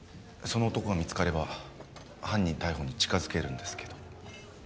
その男が見つかれば犯人逮捕に近づけるんですけど。